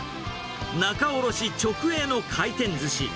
仲卸直営の回転ずし。